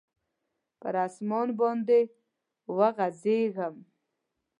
پر اسمان باندي وغځیږم